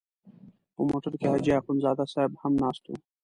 په موټر کې حاجي اخندزاده صاحب هم ناست و.